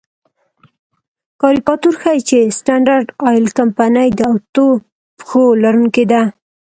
کاریکاتور ښيي چې سټنډرډ آیل کمپنۍ د اتو پښو لرونکې ده.